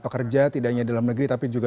pekerja tidak hanya dalam negeri tapi juga